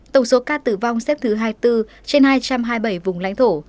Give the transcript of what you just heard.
tổng số ca tử vong xếp thứ hai mươi bốn trên hai trăm hai mươi bảy vùng lãnh thổ